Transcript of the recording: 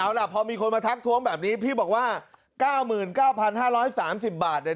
เอาล่ะพอมีคนมาทักท้วงแบบนี้พี่บอกว่าเก้าหมื่นเก้าพันห้าร้อยสามสิบบาทเนี่ย